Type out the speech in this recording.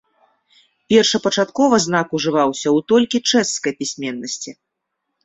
Першапачаткова знак ужываўся ў толькі чэшскай пісьменнасці.